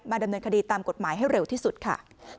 ดำเนินคดีตามกฎหมายให้เร็วที่สุดค่ะ